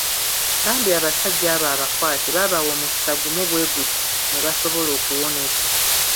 Bambi abasajja abo abakwate baabawa omukisa gumu bwe guti mwe basobola okuwonera.